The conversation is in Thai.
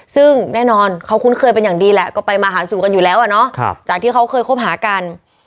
ซึ่งแน่นอนเขาคุ้นเคยเป็นอย่างดีแหละก็ไปมาหาสู่กันอยู่แล้วอ่ะเนาะจากที่เขาเคยคบหากัน